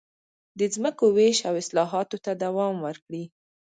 د ځمکو وېش او اصلاحاتو ته دوام ورکړي.